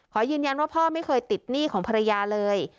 ขอยืนยันว่าพ่อไม่เคยติดหนี้ของภรรยาเลย